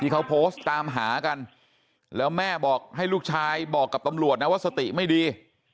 เขาโพสต์ตามหากันแล้วแม่บอกให้ลูกชายบอกกับตำรวจนะว่าสติไม่ดี